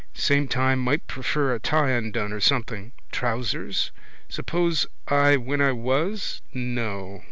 Same time might prefer a tie undone or something. Trousers? Suppose I when I was? No.